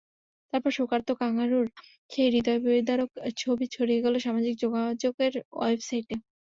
তারপর শোকার্ত ক্যাঙারুর সেই হৃদয়বিদারক ছবি ছড়িয়ে গেল সামাজিক যোগাযোগের ওয়েবসাইটে।